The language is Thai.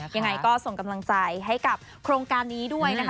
ยังไงก็ส่งกำลังใจให้กับโครงการนี้ด้วยนะคะ